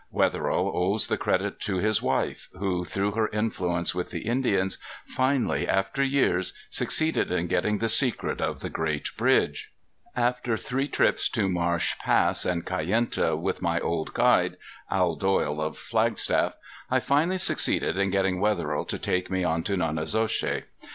Wetherill owes the credit to his wife, who, through her influence with the Indians finally after years succeeded in getting the secret of the great bridge. After three trips to Marsh Pass and Kayenta with my old guide, Al Doyle of Flagstaff, I finally succeeded in getting Wetherill to take me in to Nonnezoshe.